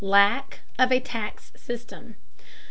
LACK OF A TAX SYSTEM.